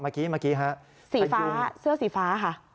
เมื่อกี้เมื่อกี้ฮะสีฟ้าเสื้อสีฟ้าค่ะ